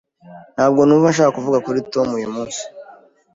Ntabwo numva nshaka kuvuga kuri Tom uyumunsi.